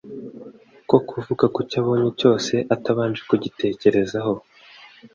ko kuvuga ku cyo abonye cyose atabanje kugitekerezaho.